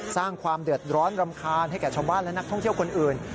สร้างความเดือดร้อนรำคาญให้แก่ชาวบ้านและนักท่องเที่ยวคนอื่น